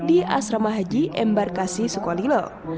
di asrama haji embarkasi sukolilo